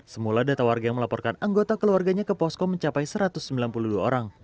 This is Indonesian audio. semula data warga yang melaporkan anggota keluarganya ke posko mencapai satu ratus sembilan puluh dua orang